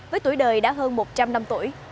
với tuổi đời đã hơn một trăm linh năm